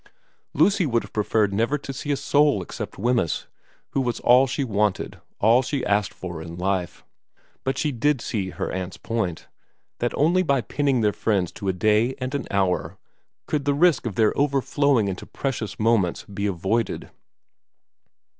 Lucy would have preferred never to see a soul except Wemyss, who was all she wanted, all she asked for in 104 VERA T life ; but she did see her aunt's point, that only by pinning their friends to a day and an hour could the risk of their overflowing into precious moments be avoided.